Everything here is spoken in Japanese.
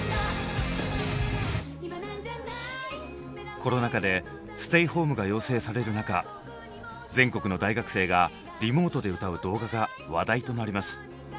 コロナ禍でステイホームが要請される中全国の大学生がリモートで歌う動画が話題となります。